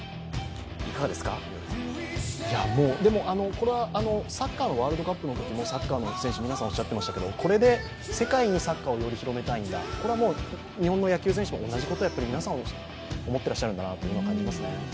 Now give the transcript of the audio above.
これはサッカーのワールドカップのときもサッカーの選手皆さんおっしゃってましたけどこれで世界にサッカーをより広めたいんだ、これは日本の野球選手も同じことを皆さん思っていらっしゃるんだなというのが分かりますね。